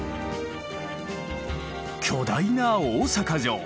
巨大な大坂城。